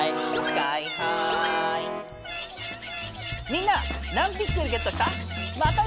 みんな何ピクセルゲットした？